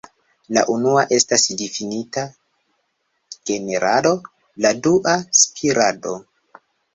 La unua estas difinita "generado", la dua "spirado".